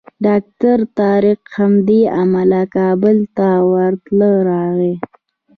ډاکټر طارق همدې امله کابل ته ورته راغی.